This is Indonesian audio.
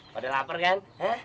kau udah lapar kan